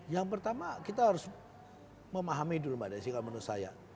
yang pertama kita harus memahami dulu mbak desi kalau menurut saya